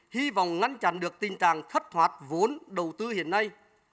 hy vọng ngăn chặn được tình trạng thất thoát vốn đầu tư hiện nay